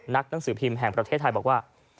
หนังสือพิมพ์แห่งประเทศไทยบอกว่า